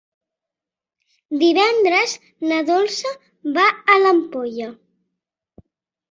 Divendres na Dolça va a l'Ampolla.